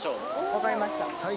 分かりました。